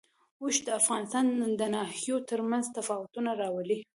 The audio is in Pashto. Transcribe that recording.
اوښ د افغانستان د ناحیو ترمنځ تفاوتونه راولي.